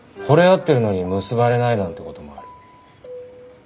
合ってるのに結ばれないなんてこともある。